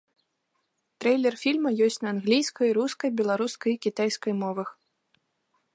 Трэйлер фільма ёсць на англійскай, рускай, беларускай і кітайскай мовах.